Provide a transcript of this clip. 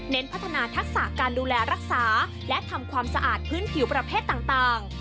พัฒนาทักษะการดูแลรักษาและทำความสะอาดพื้นผิวประเภทต่าง